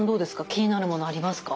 気になるものありますか？